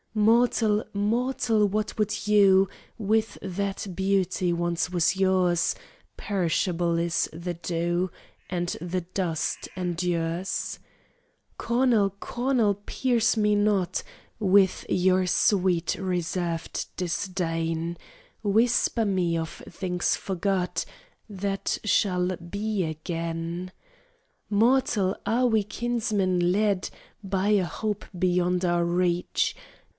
"Mortal, mortal, what would you With that beauty once was yours? Perishable is the dew, And the dust endures." "Cornel, cornel, pierce me not With your sweet, reserved disdain! Whisper me of things forgot That shall be again." "Mortal, we are kinsmen, led By a hope beyond our reach.